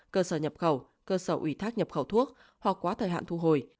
cơ sở nhập khẩu cơ sở ủy thác nhập khẩu thuốc hoặc quá thời hạn thu hồi